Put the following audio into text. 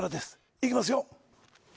いきますよ。